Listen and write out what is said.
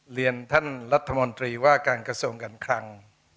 เรียนท่านรัฐมนตรีว่าการกระทรวงการคลัง